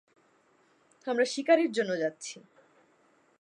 আমরা শিকারের জন্য যাচ্ছি!